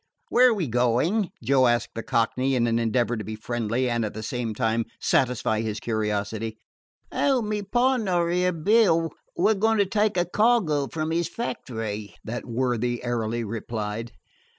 "Where are we going?" Joe asked the Cockney, in an endeavor to be friendly and at the same time satisfy his curiosity. "Oh, my pardner 'ere, Bill, we 're goin' to take a cargo from 'is factory," that worthy airily replied.